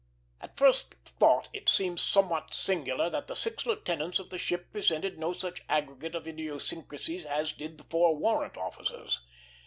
At first thought it seems somewhat singular that the six lieutenants of the ship presented no such aggregate of idiosyncrasies as did the four warrant officers.